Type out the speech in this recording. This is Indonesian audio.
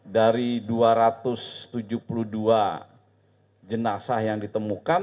dari dua ratus tujuh puluh dua jenazah yang ditemukan